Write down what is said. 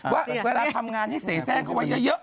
ว่าเวลาทำงานให้เสียแทรกเขาไว้เยอะ